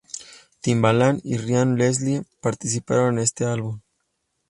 Timbaland y Ryan Leslie participaron en este álbum.